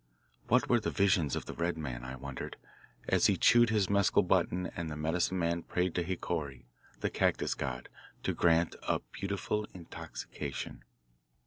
What were the visions of the red man, I wondered, as he chewed his mescal button and the medicine man prayed to Hikori, the cactus god, to grant a "beautiful intoxication?"